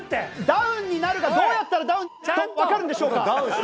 ダウンになるがどうやったらダウンとわかるんでしょうか？